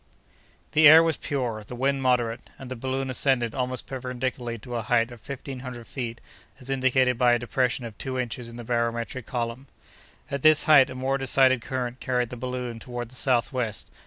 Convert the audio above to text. The air was pure, the wind moderate, and the balloon ascended almost perpendicularly to a height of fifteen hundred feet, as indicated by a depression of two inches in the barometric column. At this height a more decided current carried the balloon toward the southwest.